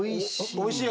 おいしい。